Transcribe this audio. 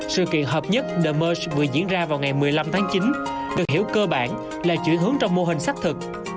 sự kiện hợp nhất themerce vừa diễn ra vào ngày một mươi năm tháng chín được hiểu cơ bản là chuyển hướng trong mô hình xác thực